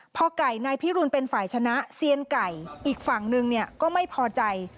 พอไก่นายพิรุณเป็นฝ่ายชนะเซียนไก่อีกฝั่งนึงเนี่ยก็ไม่พอใจ